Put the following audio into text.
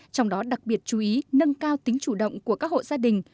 trong đó đặc biệt chú ý nâng cao tính chủ động của các hộ gia đình